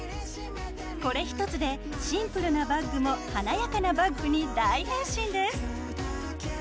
これ１つでシンプルなバッグも華やかなバッグに大変身です！